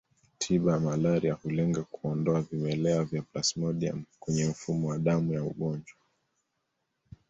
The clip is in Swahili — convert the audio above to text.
Tiba ya malaria hulenga kuondoa vimelea vya plasmodium kwenye mfumo wa damu ya mgonjwa